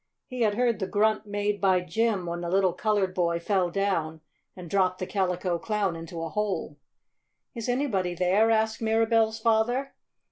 He had heard the grunt made by Jim when the little colored boy fell down and dropped the Calico Clown into a hole. "Is anybody there?" asked Mirabell's father.